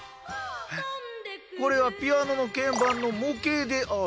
これはピアノのけん盤の模型である。